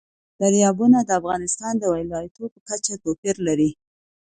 دریابونه د افغانستان د ولایاتو په کچه توپیر لري.